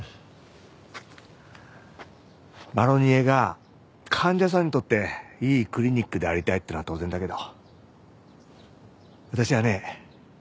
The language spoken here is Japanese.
マロニエが患者さんにとっていいクリニックでありたいっていうのは当然だけど私はね